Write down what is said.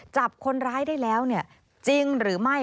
จับคนร้ายได้แล้วจริงหรือไม่